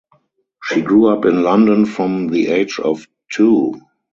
She grew up in London from the age of two.